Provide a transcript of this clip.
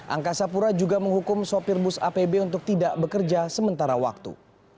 angkasa pura juga menghukum sopir bus apb untuk tidak bekerja sementara waktu